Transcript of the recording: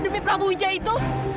demi prabu huja itu